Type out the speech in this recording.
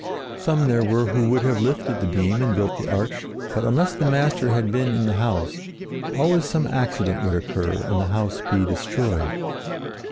Some there were who would have lifted the beam and built the arch, but unless the Master had been in the house, always some accident would occur and the house be destroyed.